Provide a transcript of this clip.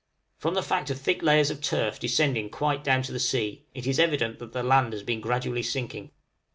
From the fact of thick layers of turf descending quite down to the sea, it is evident that the land has been gradually sinking.